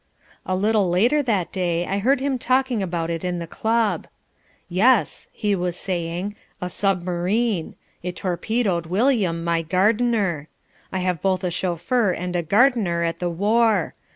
A little later that day I heard him talking about it in the club. "Yes," he was saying, "a submarine. It torpedoed William, my gardener. I have both a chauffeur and a gardener at the war.